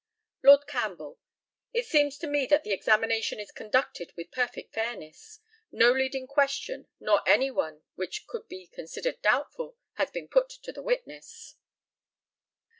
Lord CAMPBELL: It seems to me that the examination is conducted with perfect fairness. No leading question, nor any one which could be considered doubtful, has been put to the witness.